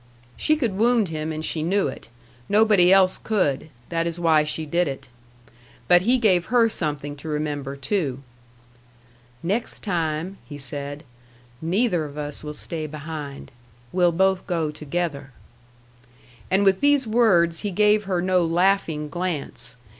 She could wound him, and she knew it. Nobody else could. That is why she did it. But he gave her something to remember, too. "Next time," he said, "neither of us will stay behind. We'll both go together." And with these words he gave her no laughing glance.